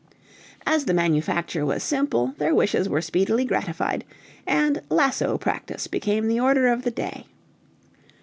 As the manufacture was simple, their wishes were speedily gratified, and lasso practice became the order of the day.